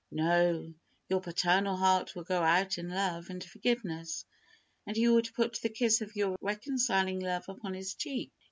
No, your paternal heart would go out in love and forgiveness, and you would put the kiss of your reconciling love upon his cheek.